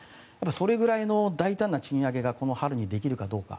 それぐらいの大胆な賃上げがこの春にできるかどうか。